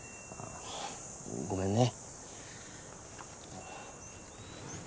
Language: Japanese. ごめんね。